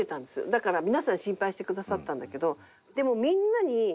だから皆さん心配してくださったんだけどでもみんなに。